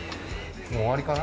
もう終わりかな。